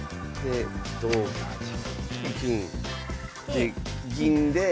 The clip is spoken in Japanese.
で銀で。